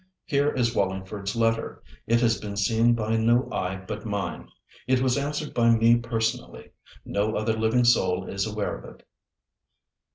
"Here is Wallingford's letter. It has been seen by no eye but mine. It was answered by me personally. No other living soul is aware of it."